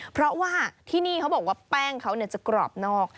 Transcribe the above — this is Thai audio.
เพราะว่าที่นี่เขาบอกว่าแป้งเขาจะกรอบนอก